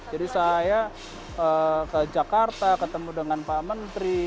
saya ke jakarta ketemu dengan pak menteri